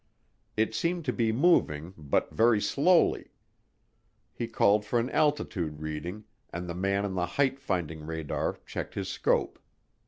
It seemed to be moving, but very slowly. He called for an altitude reading, and the man on the height finding radar checked his scope.